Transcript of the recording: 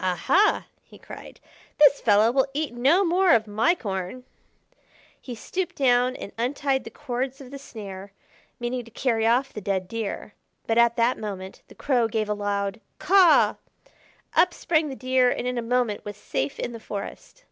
"Aha!" he cried, "this fellow will eat no more of my corn." He stooped down and untied the cords of the snare, meaning to carry off the dead Deer; but at that moment the Crow gave a loud "Caw!" Up sprang the Deer and in a moment was safe in the forest.